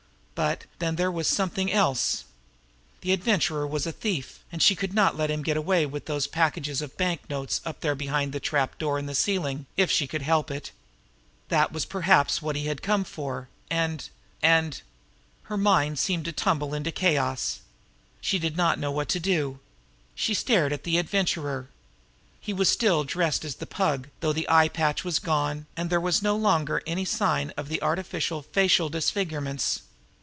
But, then, there was something else. The Adventurer was a thief, and she could not let him get away with those packages of banknotes up there behind the trap door in the ceiling, if she could help it. That was perhaps what he had come for, and and Her mind seemed to tumble into chaos. She did not know what to do. She stared at the Adventurer. He was still dressed as the Pug, though the eye patch was gone, and there was no longer any sign of the artificial facial disfigurements.